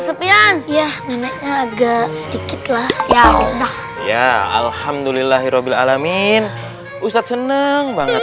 sepihan ya neneknya agak sedikit lah ya udah ya alhamdulillah hirobilalamin ustadz seneng banget